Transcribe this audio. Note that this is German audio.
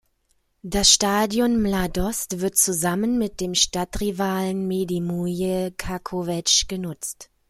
Das Stadion Mladost wird zusammen mit dem Stadtrivalen Međimurje Čakovec genutzt.